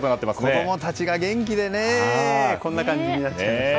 子供たちが元気でこんな感じになってしまいました。